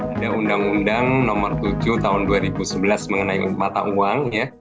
ada undang undang nomor tujuh tahun dua ribu sebelas mengenai mata uang